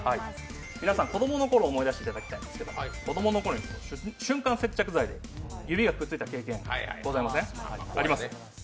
子供の頃思い出していただきたいんですけど、子供の頃、瞬間接着剤で指がくっついた経験ございません？